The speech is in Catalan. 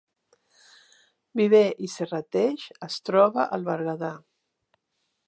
Viver i Serrateix es troba al Berguedà